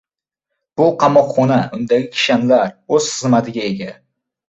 Bu qamoqxona, undagi kishanlar, o‘z xizmatiga ega.